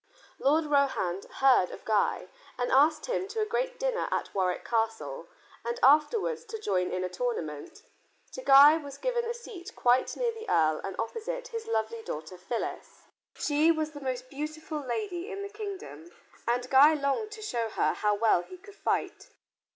Lord Rohand heard of Guy and asked him to a great dinner at Warwick Castle and afterwards to join in a tournament. To Guy was given a seat quite near the earl and opposite his lovely daughter Phyllis. She was the most beautiful lady in the kingdom and Guy longed to show her how well he could fight.